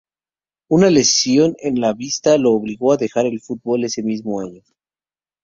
Una lesión en la vista lo obligó a dejar el fútbol ese mismo año.